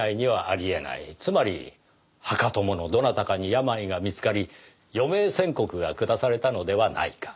つまり墓友のどなたかに病が見つかり余命宣告が下されたのではないか。